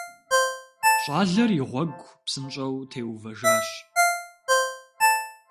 ЩӀалэр и гъуэгу псынщӀэу теувэжащ.